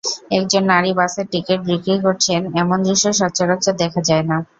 একজন নারী বাসের টিকিট বিক্রি করছেন, এমন দৃশ্য সচরাচর দেখা যায় না।